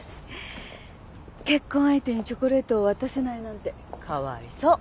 結婚相手にチョコレートを渡せないなんてかわいそう。